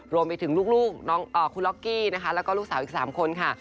รวมไปถึงลูกน้องคุณล็อกกี้นะคะแล้วก็ลูกสาวอีก๓คนค่ะ